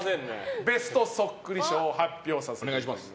ベストそっくり賞を発表させていただきます。